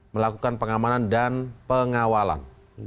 melakukan pengamanan dan pengawalan